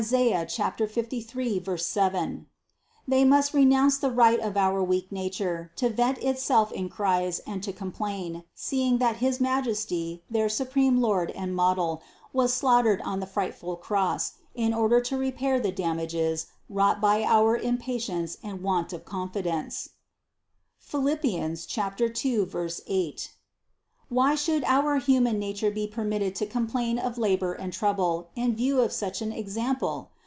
53, 7). They must renounce the right of our weak nature to vent itself in cries and to complain, see ing that his Majesty, their supreme Lord and model, was slaughtered on the frightful Cross in order to re pair the damages wrought by our impatience and want of confidence (Phil. 2, 8). Why should our human na ture be permitted to complain of labor and trouble, in view of such an example?